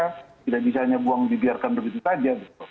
tidak bisa hanya buang dibiarkan begitu saja